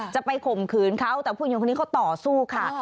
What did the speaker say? ข่มขืนเขาแต่ผู้หญิงคนนี้เขาต่อสู้ค่ะ